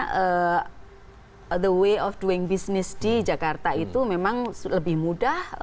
karena the way of doing business di jakarta itu memang lebih mudah